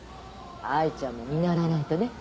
藍ちゃんも見習わないとね。